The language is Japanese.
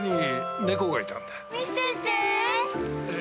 見せて。